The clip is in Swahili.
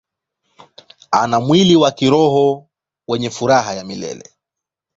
Ana mwili wa kiroho wenye furaha ya milele.